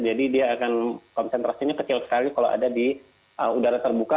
jadi dia akan konsentrasinya kecil sekali kalau ada di udara terbuka